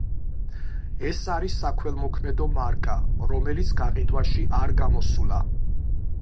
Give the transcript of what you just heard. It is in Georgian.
ეს არის საქველმოქმედო მარკა, რომელიც გაყიდვაში არ გამოსულა.